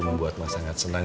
membuat mas sangat senang